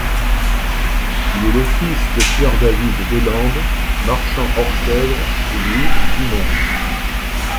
Il est le fils de Pierre David Deslandes, marchand orfèvre, et Louise Dumont.